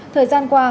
thời gian qua